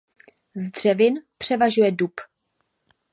Z dřevin převažuje dub.